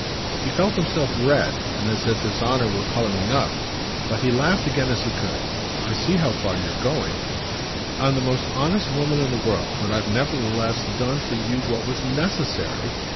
He felt himself red and as if his honour were colouring up; but he laughed again as he could. "I see how far you're going." "I'm the most honest woman in the world, but I've nevertheless done for you what was necessary."